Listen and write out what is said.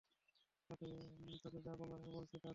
তোকে যা বলেছি তা কর।